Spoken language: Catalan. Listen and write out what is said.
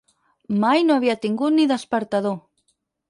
Mai no havia tingut ni despertador.